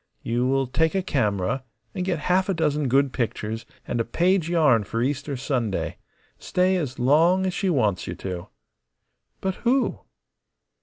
You will take a camera and get half a dozen good pictures, and a page yarn for Easter Sunday. Stay as long as she wants you to." "But who?"